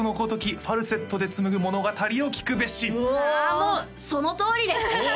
もうそのとおりですおお！